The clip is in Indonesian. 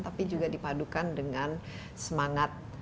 tapi dipadukan dengan semangat